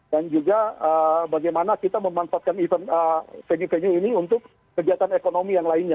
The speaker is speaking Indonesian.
dan juga bagaimana kita memanfaatkan event femi femi ini untuk kegiatan ekonomi yang lainnya